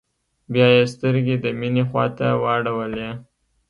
بيا يې سترګې د مينې خواته واړولې.